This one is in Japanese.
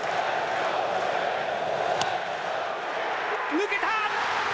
抜けた。